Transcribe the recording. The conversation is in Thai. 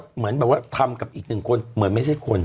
เหมือนแบบว่าทำกับอีกหนึ่งคนเหมือนไม่ใช่คน